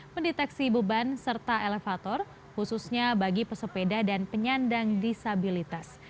mendeteksi beban serta elevator khususnya bagi pesepeda dan penyandang disabilitas